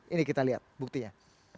ini kita lihat buktinya